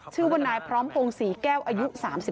ชื่อว่านายพร้อมพงศรีแก้วอายุ๓๒